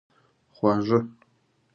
خواږه